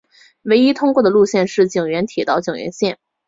唯一通过的路线是井原铁道井原线。